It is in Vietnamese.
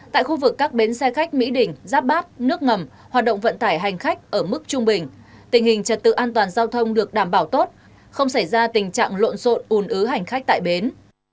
tại khu vực các bến xe khách mỹ đình giáp bát nước ngầm hoạt động vận tải hành khách ở mức trung bình tình hình trật tự an toàn giao thông được đảm bảo tốt không xảy ra tình trạng lộn xộn ùn ứ hành khách tại bến